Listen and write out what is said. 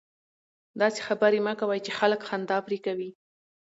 داسي خبري مه کوئ! چي خلک خندا پر کوي.